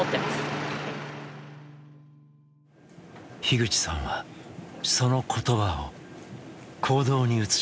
口さんはその言葉を行動に移しました。